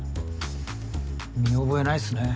見覚えないっすね。